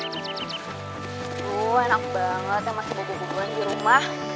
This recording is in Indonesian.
tuh enak banget ya masih ada keguguran di rumah